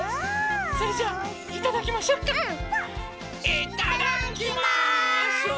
いただきます！